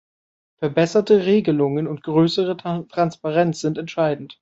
Verbesserte Regelungen und größere Transparenz sind entscheidend.